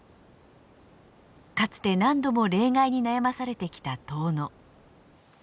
かつて何度も冷害に悩まされてきた遠野。